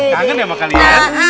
kangen ya sama kalian